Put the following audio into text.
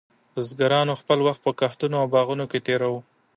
بزګرانو خپل وخت په کښتونو او باغونو کې تېراوه.